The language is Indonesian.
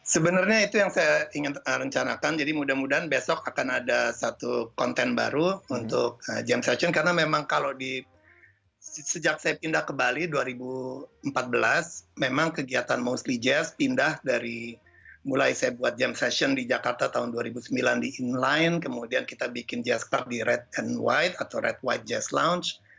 sebenarnya itu yang saya ingin rencanakan jadi mudah mudahan besok akan ada satu konten baru untuk jamming session karena memang kalau di sejak saya pindah ke bali dua ribu empat belas memang kegiatan mostly jazz pindah dari mulai saya buat jamming session di jakarta tahun dua ribu sembilan di inline kemudian kita bikin jazz club di red and white atau red white jazz lounge